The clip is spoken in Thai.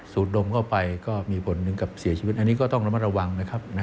ดมเข้าไปก็มีผลถึงกับเสียชีวิตอันนี้ก็ต้องระมัดระวังนะครับ